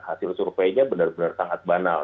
hasil surveinya benar benar sangat banal